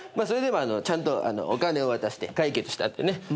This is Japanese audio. それでもちゃんとお金を渡して解決したんでね。